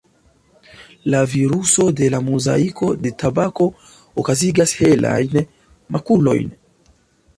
La viruso de la mozaiko de tabako okazigas helajn makulojn.